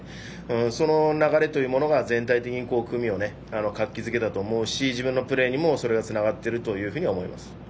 その流れというものが全体的に組を活気付けたと思うし自分のプレーにもそれはつながっていると思います。